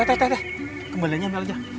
eh teteh kembaliannya ambil aja